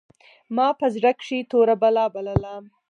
ما په زړه کښې توره بلا بلله.